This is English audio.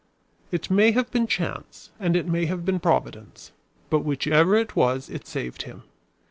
It may have been chance and it may have been providence; but whichever it was it saved him.